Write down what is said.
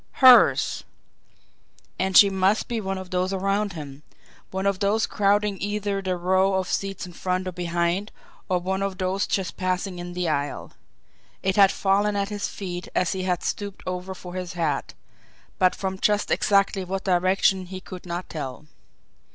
Hers! And she must be one of those around him one of those crowding either the row of seats in front or behind, or one of those just passing in the aisle. It had fallen at his feet as he had stooped over for his hat but from just exactly what direction he could not tell.